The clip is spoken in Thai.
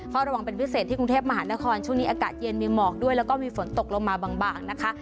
ระวังเป็นพิเศษที่กรุงเทพมหานครช่วงนี้อากาศเย็นมีหมอกด้วยแล้วก็มีฝนตกลงมาบางนะคะ